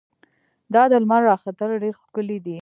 دا د لمر راختل ډېر ښکلی دي.